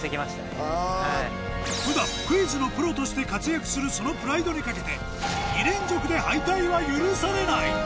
普段クイズのプロとして活躍するそのプライドに懸けて２連続で敗退は許されない！